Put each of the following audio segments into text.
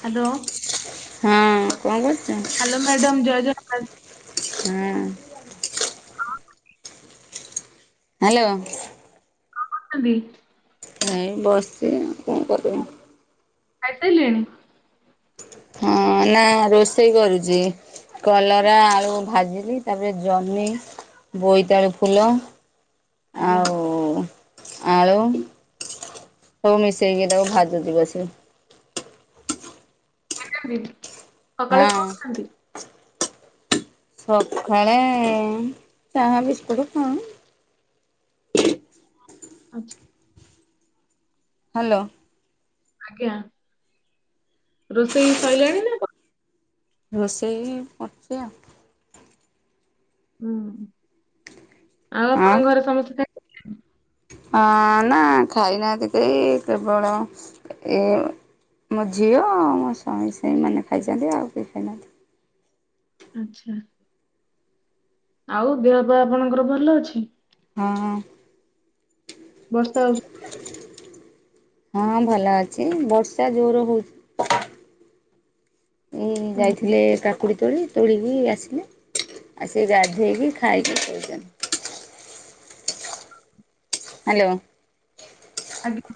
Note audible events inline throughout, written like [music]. Hello. ହଁ କଣ କୁରୁ ହ୍ୟାଲୋ ମ୍ୟାଡ଼ାମ ଜୟ ଜଗନ୍ନାଥ। ହୁଁ। ହ୍ୟାଲୋ। କଣ କରୁଛନ୍ତି? ଏଇ ବସି ଆଉ କଣ କରିବୁ? ଖାଇସାରିଲେନି? ହଁ ନା ରୋଷେଇ କରୁଛି। କଲରା ଆଳୁ ଭାଜିଲି ତାପରେ ଜହ୍ନି ବୋଇତାଳୁ ଫୁଲ। ଆଜ୍ଞା। ଆଉ। ଆଳୁ ସବୁ ମିଶେଇକି ତାକୁ ଭାଜୁଛି ବସିକି। ଆ ସକାଳେ ହଁ କଣ ଖାଆନ୍ତି? ସକାଳେ ଚାହା ବିସ୍କୁଟ [unintelligible] ଆଛ ହ୍ୟାଲୋ। ଆଜ୍ଞା ରୋଷେଇ ସରିଲାଣି ନା ରୋଷେଇ କରୁଛି ଆଉ। ହୁଁ ଆଉ ଆପଣଙ୍କ ଘରେ ସମସ୍ତେ ଖାଇ ହଁ ନା ଖାଇନାହାନ୍ତି କେହି କେବଳ ଏ ମୋ ଝିଅ ଆଉ ମୋ ସ୍ୱାମୀ ସେଇମାନେ ଖାଇଛନ୍ତି ଆଉ କେହି ଖାଇନାହାନ୍ତି। ଆଚ୍ଛା। ଆଉ ଦେହପାହାଆପଣଙ୍କର ଭଲ ଅଛି? ହଁ। ବର୍ଷା ହଉଛି। ହଁ ଭଲ ଅଛି ବର୍ଷା ଜୋର ହଉଛି। ହୁଁ। ଯାଇଥିଲେ କାକୁଡ଼ି ତୋଳି। ତୋଳିକି ଆସିଲେ ଆସି ଗାଧେଇକି ଖାଇକି ଶୋଇଚନ୍ତି। ହ୍ୟାଲୋ। ଆଜ୍ଞା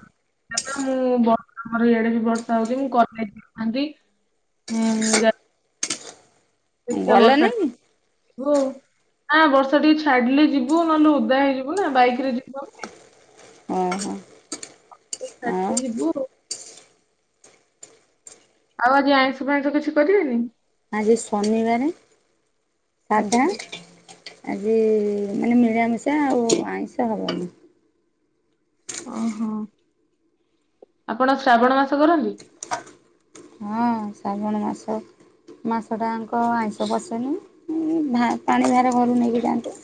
ଏବେ ମୁଁ ବର୍ତ୍ତମାନ ଆମର ଇଆଡେ ବି ବର୍ଷା ହଉଚି ମୁଁ କଲେଜ୍ ଯାଇଥାନ୍ତି। ଏଁ ଯା ଦେଖିଆ ଭଲ ବର୍ଷା ନାଇଁ କି? ଛାଡୁ ଆଉ। ନା ବର୍ଷା ଟିକେ ଛାଡିଲେ ଯିବୁ ନହେଲେ ଓଦା ହେଇଯିବୁ ନା ବାଇକ ରେ ଯିବ ଆମେ। ଓହୋ ଆଉ [inaudible] ଯିବୁ ଆଉ। ଆଉ ଆଜି ଆଇଁଷ ଫାଇଁଷ କିଛି କରିବେନି? ଆଜି ଶନିବାରେ ସାଧା। ଆଚ୍ଛା। ଆଜି ମାନେ ମିଳାମିଷା ଆଉ ଆଇଁଷ ହବନି। ଓଃହଁ ଆପଣ ଶ୍ରାବଣ ମାସ କରନ୍ତି? ହଁ ଶ୍ରାବଣ ମାସ ମାସଟା ୟାଙ୍କ ଆଇଁଷ ପଶେନି ଉଁ ଭା ପାଣି ଭାର ଘରୁ ନେଇକି ଯାଆନ୍ତି।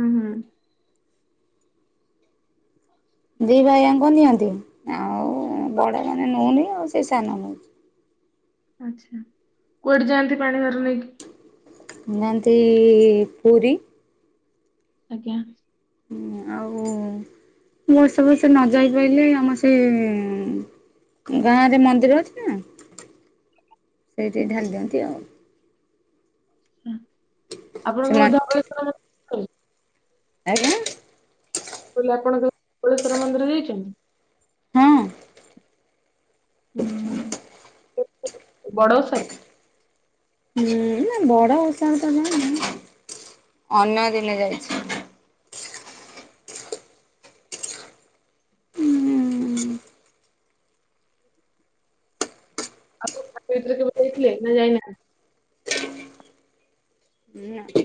ଉଁ ହୁଁ। ଦି ଭାଇଆଙ୍କ ନିଅନ୍ତି। ଆଉ ଏଁ ବଡ ମାନେ ନଉନି ଆଉ ସେ ସାନ ନଉଚି। ଆଛା କୁଆଡେ ଯାଆନ୍ତି ପାଣି ଭାର ନେଇକି? ଯାଆନ୍ତି ପୁରୀ‌‌। ଆଜ୍ଞା। ଉଁ ଆଉ। ବର୍ଷ ବର୍ଷେ ନ ଯାଇ ପାଇଲେ ଆମ ସେ ଗାଁରେ ମନ୍ଦିର ଅଛି ନା। ସେଇଠି ଢାଲି ଦିଅନ୍ତି ଆଉ। ଉଁ ଆପଣଙ୍କର ସେମାନେ ଧବଳେଶ୍ଵର ମନ୍ଦିର। [inaudible] ଆଜ୍ଞା। ମୁଁ କଇଲି ଆପଣ କେବେ ଧବଳେଶ୍ଵର ମନ୍ଦିର ଯାଇଚନ୍ତି? ହଁ। ଓ ବଡ଼ ଓଷା ହୁଁ ନା ବଡ ଓଷାରେ ତ ଯାଇନି। ଅନ୍ୟ ଦିନେ ଯାଇଛି। ଆଉ [unintelligible] କେବେ ଯାଇଥିଲେ ନା ଯାଇ ନାହାଁନ୍ତି?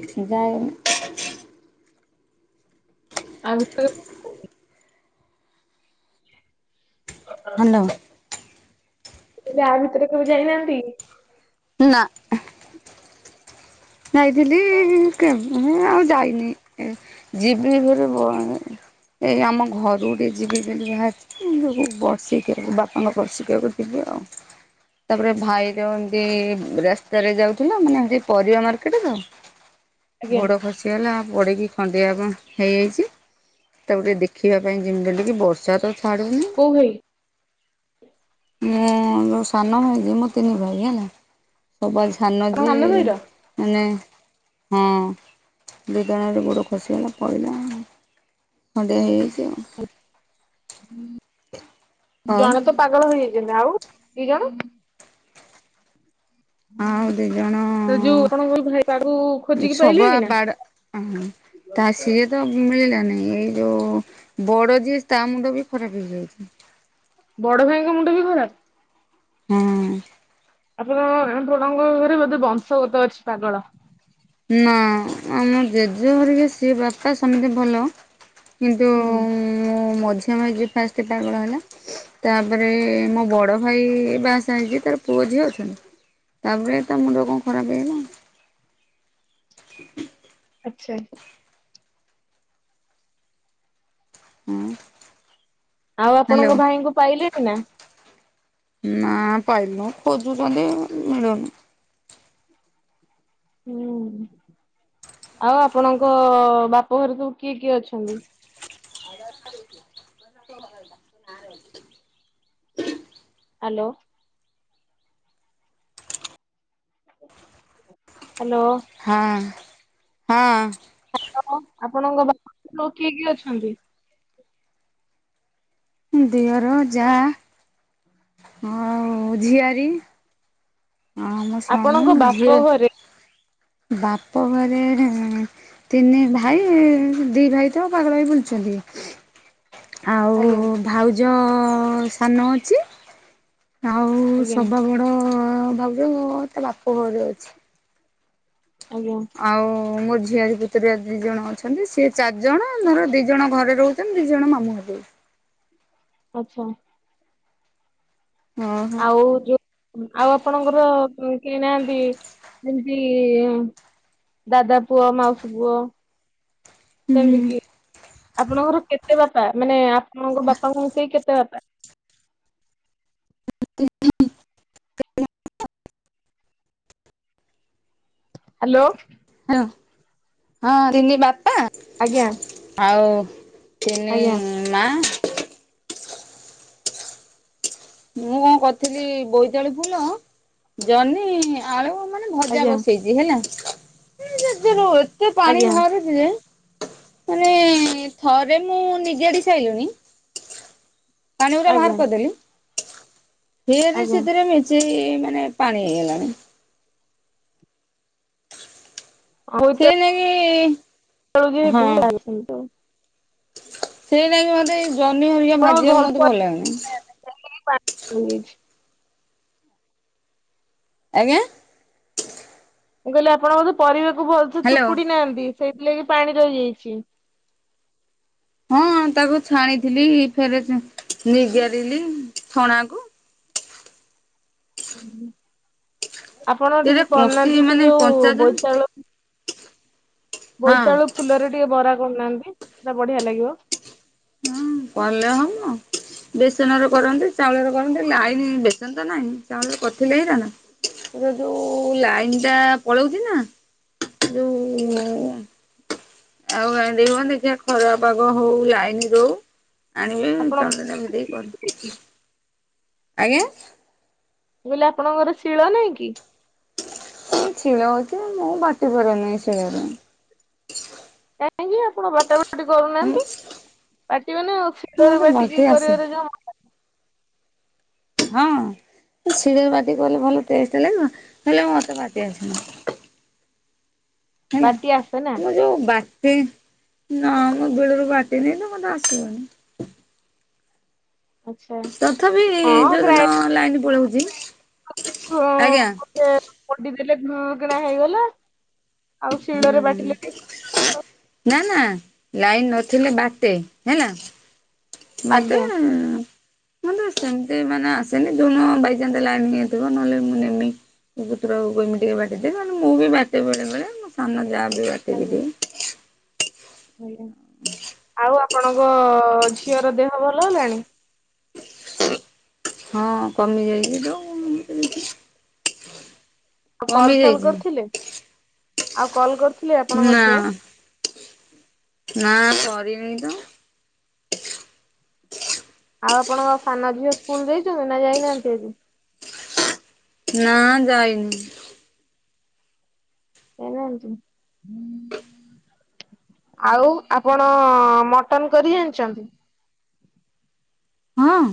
ଯାଏ ଆଉ ତ ହ୍ୟାଲୋ। ମୁଁ କହିଲି ଆ ଭିତରେ କେବେ ଯାଇନାହାନ୍ତି? ନା। ଯାଇଥିଲି କେବେ ଆଉ ଯାଇନି ଏ ଯିବି ବୋଲି ବ ଏ ଏ ଆମ ଘରୁକୁ ଟିକେ ଯିବି ବୋଲି ଭାରିଚି କିନ୍ତୁ ବର୍ଷିକିଆକୁ ବାପାଙ୍କ ବର୍ଷିକିଆକୁ ଯିବି ଆଉ। ତା ପରେ ଭାଇର ଏମିତି ରାସ୍ତାରେ ଯାଉଥିଲା ମାନେ ଏମତି ପରିବା ମାର କେଟ ତ ଆଜ୍ଞା ଘୋଡ ଖସିଗଲା ପଡ଼ିକି ଖଣ୍ଡିଆ କଣ ହେଇଯାଇଚି। ତାକୁ ଟିକେ ଦେଖିବା ପାଇଁ ଯିବି ବେଲି କି ବର୍ଷା ତ ଛାଡୁନି। କୋଉ ଭାଇ ମୋ ସାନ ଭାଇ ଯିଏ ମୋ ତିନି ଭାଇ ହେଲା। ସବା ସାନ ଆପଣ ଯିଏ ଭାଇର? ନାଏଁ ହଁ ଦିଟା ଜାକେ ଗୋଡ ଖସିଗଲା ପଇଲା। ଖଣ୍ଡିଆ ହେଇଚି। ଆଉ ଜଣେ ତ ପାଗଳ ହେଇଯାଇଚନ୍ତି। ଆଉ ଦି ଜଣ? ଆଉ ଦିଇ ଜଣ ତ ଯୋଉ ଆପଣଙ୍କ ଭାଇ ତାକୁ ଖୋଜିକି ସବୁ ପାଇଲେଣି ନା? ଆବାଡା ହମ୍ ତା ସିଏ ତ ମିଳିଲାନି ଏଇ ଯୋଉ ବଡ ଯିଏ ତା ମୁଣ୍ଡ ବି ଖରାପ ହେଇଯାଉଛି। ବଡ ଭାଇଙ୍କ ମୁଣ୍ଡ ବି ଖରାପ। ହୁଁ। ଆପଣ ଆପଣଙ୍କ ଘରେ ବୋଧେ ବଂଶଗତ ଅଛି ପାଗଳ। ନା ଆମ ଜେଜେ ହେରିକା ସିଏ ବାପା ସେମିତି ଭଲ। କିନ୍ତୁ ହୁଁ ମୋ ମଝିଆ ମଝିଆ ଯିଏ ଫାଷ୍ଟ ପାଗଳ ହେଲା ତାପରେ ମୋ ବଡ ଭାଇ ବାଆ ସାହା ହେଇଛି ତାର ପୁଅ ଝିଅ ଛୁଆ ତାପରେ ତା ମୁଣ୍ଡ କଣ ଖରାପ ହେଇ ଗଲା ଆଉ। ଆଚ୍ଛା। ହୁଁ। ଆଉ ଆପଣଙ୍କ ଭାଇଙ୍କୁ ପାଇଲେଣି ନା। ନା ପାଇନୁ ଖୋଜୁଚନ୍ତି ମିଳୁନି। ହୁଁ। ଆଉ ଆପଣଙ୍କ ବାପଘରେ ସବୁ କିଏ କିଏ ଅଛନ୍ତି? ହ୍ୟାଲୋ। [inaudible] ହଁ ହଁ। ହ୍ୟାଲୋ ଆପଣଙ୍କ ବାପଘରେ ଆଉ କିଏ କିଏ ଅଛନ୍ତି? ଦିଅର ଯା ଆଉ ଝିଆରୀ। ଆଉ ମୋ ସ୍ୱାମୀ ଆପଣଙ୍କ ମୋ ବାପ ଝିଅ ଘରେ ବାପ ଘରେ ଏ ତିନି ଭାଇ ଦି ଭାଇ ତ ପାଗଳ ହେଇ ବୁଲୁଛନ୍ତି। [unintelligible] ହଁ [inaudible] ଆଉ ଭାଉଜ ସାନ ଅଛି। ଆଉ ଆଜ୍ଞା ସବା ବଡ ଭାଉଜ ତା ବାପ ଘରେ ଅଛି। ଆଜ୍ଞା ଆଉ ମୋ ଝି ଝିଆରି ପୁତୁୁରା ଦି ଜଣ ଅଛନ୍ତି ସିଏ ଚାରି ଜଣ ଧର ଦି ଜଣ ଘରେ ରହୁଛନ୍ତି ଦି ଜଣ ମାମୁଁ ଘରେ ରହୁଛି। ଆଚ୍ଛା। ଓହୋ ଆଉ ଯୋଉ ଆଉ ଆପଣଙ୍କର କେ କେ ନାହାନ୍ତି କି ଦାଦା ପୁଅ ମାଉସୀ ପୁଅ ସେମିତି ହୁଁ କି ଆପଣଙ୍କର କେତେ ବା ପା ମାନେ ଆପଣଙ୍କ ବାପାଙ୍କୁ ମିଶେଇକି କେତେ ବାପା? [unintelligible] ହ୍ୟାଲୋ। ହଁ ତିନି ବାପା ଆଜ୍ଞା। ଆଉ ତିନି ଆଜ୍ଞା ମା। ମୁଁ କଣ କରିଥିଲି ବୋଇତ ଆଳୁ ଫୁଲ ଜହ୍ନି ଆଳୁ ମାନେ ଭଜା ଆଜ୍ଞା ବସେଇଛି ହେଲା ଉ ଜେଜେ ରୁ ଏତେ ପାଣି ଆଜ୍ଞା ବାହାରୁଛି ଯେ ମାନେ ଥରେ ମୁଁ ନିଗାଡି ସାରିଲିଣି? ପାନିଗୁଡ଼ା ଆଜ୍ଞା ବାହାର କରିଦେଲି। ସିଏ ରେ ଆଜ୍ଞା ସେଥିରେ ମିଶିକି ମାନେ ପାଣି ହେଇଗଲାଣି। ସିଏ ନେଇକି ଚଳୁ ଯେହେତୁ [unintelligible] ସେଇ ଲାଗି ମତେ ଜହ୍ନି ହରିକା ଭାଜିବାକୁ ମତେ ଭଲ ଲାଗେନି। [unintelligible] କିଛି ଆଜ୍ଞା? ମୁଁ କହିଲି ଆପଣ ବୋଧେ ପରିବାକୁ ଭଲ ସେ ହ୍ୟାଲୋ। ଚୁପୁଡି ନାହାନ୍ତି। ସେଇଥିଲାଗି ପାଣି ରହିଯାଇଛି। ହଁ ତାକୁ ଛାଣିଥିଲି ଫେରେ ନିଗାରିଲି ଛଣା କୁ। ହୁଁ। ଆପଣ ଏଇଟା ଟିକେ କଷି କରୁନାହାନ୍ତି ସେ ମାନେ ଯୋଉ କଞ୍ଚା ଜହ୍ନି ବୋଇତାଳୁ ହଁ ବୋଇତାଳୁ ଫୁଲରେ ଟିକେ ବରା କରୁନାହାନ୍ତି ତା ବଢିଆ ଲାଗିବ। ହଁ କଲେ ହବ। ବେସନରେ କରନ୍ତି। ଚାଉଳରେ କରନ୍ତି। ଲାଇନି ବେସନ ତ ନାହିଁ ଚାଉଳରେ କରିଥିଲେ ହେଇଥାନ୍ତା। ଏ ଯୋଉ ଲାଇନ ଟା ପଳଉଛି ନା ଆଜ୍ଞା ଯୋଉ ଆଉ ଗ୍ରାଇଣ୍ଡିଙ୍ଗ ହେଉନି ଦେଖିଆ ଖରା ପାଗ ହଉ ଲାଇନ ରହୁ। ଆଣିବି। ଆପଣ ଚାଉଳ ତାକୁ ଦେଇ କରିବି। ଆଜ୍ଞା। ମୁ କହିଲି ଆପଣଙ୍କର ଶିଳ ନାହିଁ କି? ଅ ଶିଳ ଅଛି ମୁଁ ବାଟି ପାରେନି ଶିଳରେ। କାହିଁକି ଆପଣ ବାଟା ବାଟି କରୁନାହାନ୍ତି ବାଟିବେ ନା ଆଉ ଶିଳରେ ମତେ ବାଟିକି ବାଟି ଆସେ କରିବାରେ ଯୋଉ ମଯା ହଁ? ଶିଳରେ ବାଟିକି କଲେ ଭଲ ଟେଷ୍ଟ ଲାଗିବ। ହେଲେ ମତେ ବାଟି ଆସେ ନାହିଁ। ହେଲା ବାଟି ଆସେ ନା ମୁ ଯୋଉ ବାଟ ଟି ନା ମୁଁ ବେଳରୁ ବାଟି ନି ତ ମୋତେ ଆସିବନି। ଆଚ୍ଛା। ତଥାପି ଯୋଉଦିନ ଲାଇନ ପଳଉଛି [unintelligible] ହଁ ଆଜ୍ଞା ମୋତେ ପୋଡ଼ିଦେଲେ ଘୁଁ କିନା ହେଇଗଲା। ଆଉ ହୁଁ ଶିଳରେ ବାଟିଲେ ଟିକେ ନା ନା ଲାଇନ ନଥିଲେ ବାଟେ ହେଲା ବାଟେ ଆଜ୍ଞା। ମୁଁ ତ ସେମିତି ମାନେ ଆସେନି ଯୋଉଦିନ ବାଇଚନ୍ସ ଲାଇନ୍ ନଥିବ ନହେଲେ ମୁଁ ନେମି ଏ ପୁତୁରା ବୋହୂ କହିମି ଟିକେ ବାଟିଦେ। ନହେଲେ ମୁଁ ବି ବାଟେ ବେଳେବେଳେ ମୋ ସାନ ଯା ବି ବାଟିକି ଦିିଏ। ହଇରା ଆଉ ଆପଣଙ୍କ ଝିଅର ଦେହ ଭଲ ହେଲାଣି? ହଁ କମି ଯାଇଛି ଯୋଉ ସେମିତି ଆ କଲ୍ ଫଲ୍ କରିଥିଲେ ଆଉ କଲ୍ କରିଥି ନା ନା କରିନି କରିନି ତ ଆଉ ଆପଣଙ୍କ ସାନ ଝିଅ ସ୍କୁଲ ଯାଇଛନ୍ତି ନା ଯାଇନାହାନ୍ତି ଆଜି? ନା ଯାଇନି ଯାଇନାହାନ୍ତି? ଆଉ ଆପଣ ମଟନ କରି ଜାଣିଛନ୍ତି? ହଁ।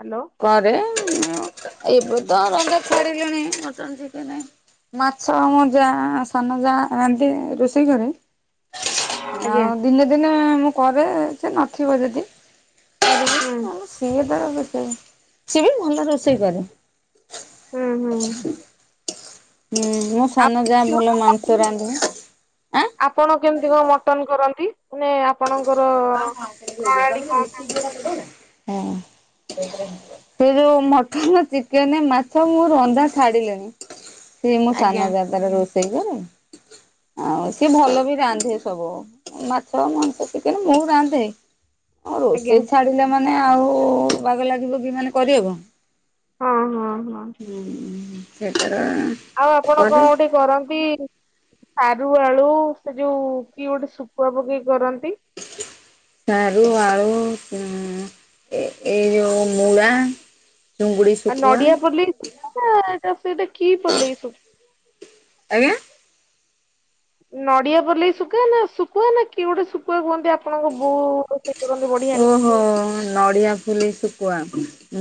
ହ୍ୟାଲୋ। କରେ ମୁଁ ଏବେ ତ ରନ୍ଧା ଛାଡ଼ିଲିନି ମଟନ୍ ଚିକେନ୍ ମାଛ ମ ଯା ସାନ ଯା ଏମିତି ରୋଷେଇ କରେ ଆଜ୍ଞା। ଆଉ ଦିନେ ଦିନେ ମୁଁ କରେ ସେ ନଥିବ ଯଦି କରିବି ହୁଁ। ଆଉ [unintelligible] ରୋଷେଇ ସେ ବି ଭଲ ରୋଷେଇ କରେ। ହୁଁ ହୁଁ ହୁଁ ମୋ ସାନ ଯା ଭଲ ଆଉ ମାଂସ ରାନ୍ଧେ ଆଁ ଆପଣ କେମିତି କଣ ମଟନ କରନ୍ତି ମାନେ ଆପଣଙ୍କ ହଁ। ସେ ଯୋଉ ମଟନ ଚିକେନ ମାଛ ମୁଁ ରନ୍ଧା ଛାଡ଼ିଲିଣି। ସେ ମୁଁ ଆଜ୍ଞା ସାନ ଜାଗାରେ ରହୁଛି। ସେଇରେ ଆଉ ସିଏ ଭଲ ବି ରାନ୍ଧେ ଏସବୁ ମାଛ ମାଂସ ଚିକେନ। କିନ୍ତୁ ମୁଁ ରାନ୍ଧେ ଆ ଆଜ୍ଞା ରୋଷେଇ ଛାଡ଼ିଲେ ମାନେ ମାନେ ଆଉ ବାଗ ଲାଗିବ କି ମାନେ କରିବା କୁ? ହଁ ହଁ। ହଁ ହୁଁ ସେଇଟା ଆଉ ଆପଣ କଣ କଉଠି କରନ୍ତି? ସାରୁ ଆଳୁ ସେ ଯୋଉ କି ଗୋଟେ ଶୁଖୁଆ ପକେଇକି କରନ୍ତି। ସାରୁ ଆଳୁ ଉ ଏଇ ଯୋଉ ମୂଳା। ଚିଙ୍ଗୁଡ଼ି ଆଉ ଶୁଖୁଆ। ନଡିଆ ପଲେଇ ଶୁଖୁଆ ନା ଏଟା ସେଇଟା କି ପଲେଇ ସବୁ? ଆଜ୍ଞା? ନଡ଼ିଆ ପଲେଇ ଶୁଖୁଆ ନା ଶୁଖୁଆ ନା କିଏ ଗୋଟେ ଶୁଖୁଆ କୁହନ୍ତି ଆପଣଙ୍କ ବୋଉ କରନ୍ତି ବଢିଆ ଓହୋ ଲାଗେ। ନଡ଼ିଆ ଫୁଲେଇ ଶୁଖୁଆ।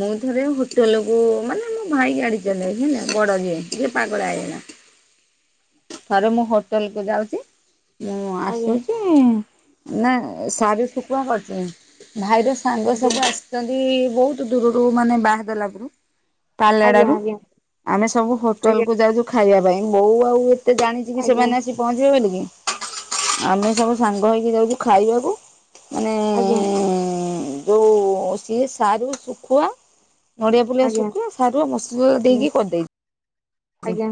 ମୁଁ ଥରେ ହୋଟେଲ କୁ ମାନେ ମୋ ଭାଇ ଆଣି ଥିଲେ ହେଲା ବଡ଼ ଯିଏ ଟିକେ ପାଗଳା ହେଇଗଲା। [inaudible] ଥରେ ମୁଁ ହୋଟେଲ କୁ ଯାଉଚି। ମୁଁ ଆଜ୍ଞା ଆସୁଚି ନା ଶାରୁ ଶୁଖୁଆ କରଚନ୍ତି ଭାଇର ସୁ ସାଙ୍ଗ ସବୁ ଆଜ୍ଞା ଆସିଛନ୍ତି ବହୁତ ଦୂରରୁ ମାନେ ବାହା ଦେଲା ପୁରୁ ପାହାଡ଼ ରୁ ଆଜ୍ଞା ଆମେ ସବୁ ହୋଟେଲ ଆଜ୍ଞା କୁ ଯାଉଚୁ ଖାଇବା ପାଇଁ ବୋଉ ଆଉ ତତେ ଜାଣିଚିକି ଆଜ୍ଞା ସେମାନେ ଆସି ପହଞ୍ଚିବେ ବୋଲିିକି ଆମେ ସବୁ ସାଙ୍ଗ ହେଇକି ଯାଉଚୁ ଖାଇବାକୁ ମାନେ ଆଜ୍ଞା ଉ ଯଉ ସିଏ ସାରୁ ଶୁଖୁଆ ନଡ଼ିଆ ପୁଲଆ ଆଜ୍ଞା ଶୁଖୁ ସାରୁ ଆ ମସଲା ଦେଇକି କରିଦେଇଚି। ଆଜ୍ଞା।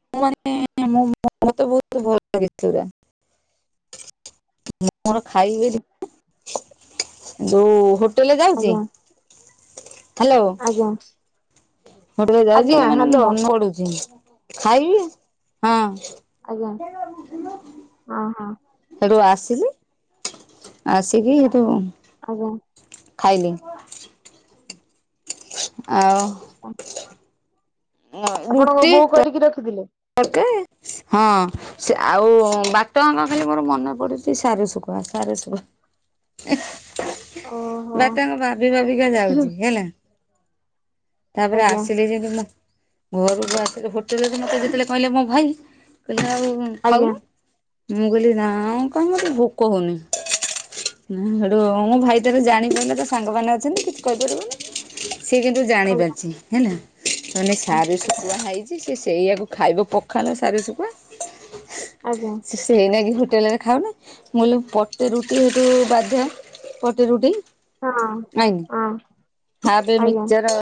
[unintelligible] ମାନେ ମତେ ବହୁତ ଭଲ ଲାଗିଥିଲା। ମୁଁ ମୋର ଖାଇବି ଯୋଉ ହୋ ହୋଟେଲେ ଯାଉଚି। ଆଜ୍ଞା ହାଲୋ। ଆଜ୍ଞା ଆଜ୍ଞା ହୋଟେଲ୍ ଯାଉଚି ଆଜ୍ଞା ମାନେ ହ୍ୟାଲୋ ମନ ପଡୁଚି ଖାଇବି ଆଜ୍ଞା ହଁ। [unintelligible] ହଁ ହଁ ସେଠୁ ଆସିଲି ଆସିକି ସେଠୁ ଆଉ କଣ। ଖାଇଲି। ଆଉ। ଆଚ୍ଛା। ଆପଣଙ୍କ ରୁଟି ବୋଉ ତ କରିକି ରଖିଥିଲେ ତଡ଼କା ହଁ ଆଉ ବାଟ ଆଙ୍କ ଖାଲି ମୋର ମନେ ପଡ଼ୁଚି ସାରି ଶୁକୁଆ ସାରୁ ସୁକୁମା। ଓହୋ ବାଟ ଆଙ୍କ ଭାବି ଭାବିକା ଯାଉଚି ହେଲା। ତାପରେ ଆଜ୍ଞା ଆଜ୍ଞା ଆସିଲି ଯେମିତି ମୁ ଘରୁକୁ ଆସିଲେ ହୋଟେଲରେ ମତେ ଯେତେବେଳେ କହିଲେ ମୋ ଭାଇ କହିଲେ ଆଉ ଆଜ୍ଞା ଖାଉନୁ ମୁଁ କହିଲି ନା କଣ କାଇଁ ଭୋକ ହଉନି। ହେଟୁ ମୋ ଭାଇ ତାର ଜାଣିପାଇଲା ତା ସାଙ୍ଗମାନେ ଅଛନ୍ତି କିଛି କହିପାରିବନି। ସିଏ କିନ୍ତୁ ଜାଣି ଆଜ୍ଞା ହଁ ପାରିଚି ହେଲା ମାନେ ହଁ ସାରୁ ଶୁଖୁଆ ହେଇଚି ସେ ସେଇଆାକୁ ଖାଇବ ପଖଳ ସାରୁ ସୁୁଖୁଆ ସେ ସେଇନାଗି ହୋଟେ ହୋଟେଲରେ ଖାଉନ ମୁଁ ପଟେ ରୁଟି ହେଠୁ ବାଧ୍ୟ ପଟେ ରୁଟି ଆଜ୍ଞ ଆଜ୍ଞା। ମିକ୍ସଚର